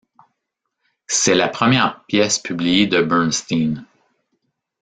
C'est la première pièce publiée de Bernstein.